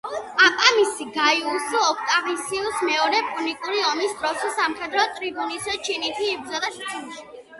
პაპამისი, გაიუს ოქტავიუსი, მეორე პუნიკური ომის დროს, სამხედრო ტრიბუნის ჩინით იბრძოდა სიცილიაში.